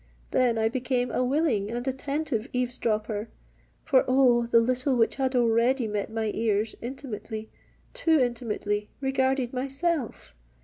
Then I became a willing and attentive eaves dropper,—for, oh! the little which had already met my ears, intimately—too intimately regarded myself!